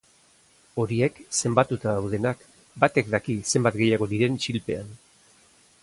Horiek zenbatuta daudenak, batek daki zenbat gehiago diren isilpean.